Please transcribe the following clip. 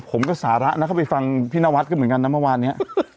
ผมก็สาระนะเข้าไปฟังพี่นวัดก็เหมือนกันนะเมื่อวานนี้